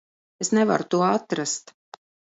Es nevaru to atrast.